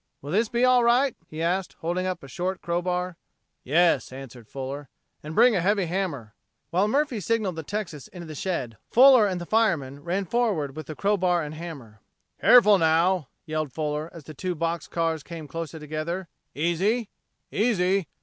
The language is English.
"Will this be all right?" he asked, holding up a short crow bar. "Yes," answered Fuller. "And bring a heavy hammer." While Murphy signaled the Texas into the shed, Fuller and the fireman ran forward with the crow bar and hammer. "Careful now," yelled Fuller, as the two box cars came closer together. "Easy easy!"